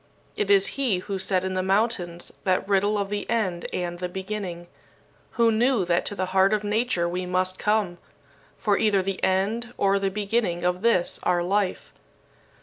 It is he who said in the mountains that riddle of the end and the beginning who knew that to the heart of nature we must come, for either the end or the beginning of this, our life.